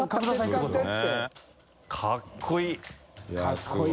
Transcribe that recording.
かっこいい。